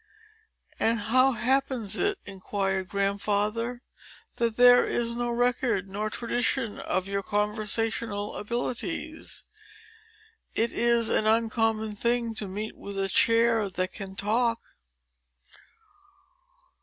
"And how happens it," inquired Grandfather, "that there is no record nor tradition of your conversational abilities? It is an uncommon thing to meet with a chair that can talk."